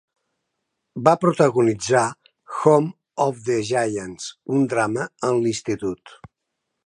Va protagonitzar "Home of the Giants", un drama en l'institut.